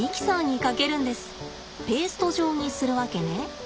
ペースト状にするわけね。